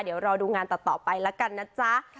เดี๋ยวรอดูงานต่อไปแล้วกันนะจ๊ะ